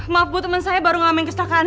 maaf buat temen saya baru ngamain kesalahan